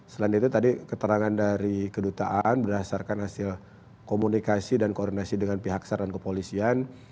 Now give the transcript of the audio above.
selain itu tadi keterangan dari kedutaan berdasarkan hasil komunikasi dan koordinasi dengan pihak saran kepolisian